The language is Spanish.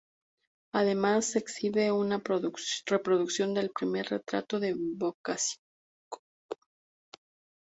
Además se exhibe una reproducción del primer retrato de Boccaccio.